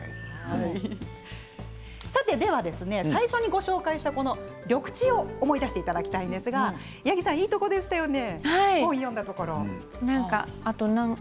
最初にご紹介した緑地を思い出していただきたいんですが八木さん、いいところでしたよね。